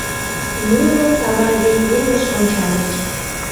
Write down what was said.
Нуно савар вес велыш ончальыч.